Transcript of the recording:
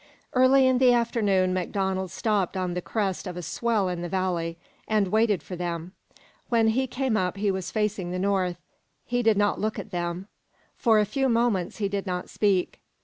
Early in the afternoon MacDonald stopped on the crest of a swell in the valley and waited for them. When they came up he was facing the north. He did not look at them. For a few moments he did not speak.